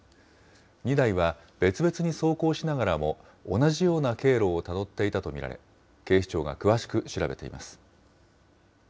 ２台は別々に走行しながらも、同じような経路をたどっていたと見られ、警視庁が詳しく調べています。